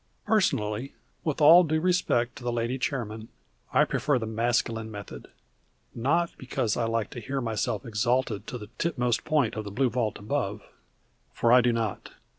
Personally, with all due respect to the Lady Chairman, I prefer the masculine method: not because I like to hear myself exalted to the tipmost point of the blue vault above; for I do not.